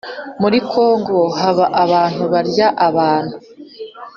Muri kongo haba abantu barya abantu